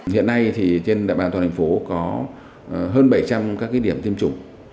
hiện nay thì trên đại bàn toàn thành phố có hơn bảy trăm linh các điểm tiêm chủng